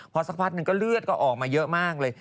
พอสักพักหนึ่งก็เลือดก็ออกมาเยอะมากเลย